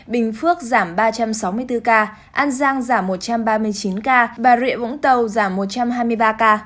bình phước giảm ba trăm sáu mươi bốn ca an giang giảm một trăm ba mươi chín ca bà rịa vũng tàu giảm một trăm hai mươi ba ca